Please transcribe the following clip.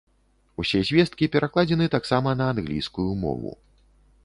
Усе звесткі перакладзены таксама на англійскую мову.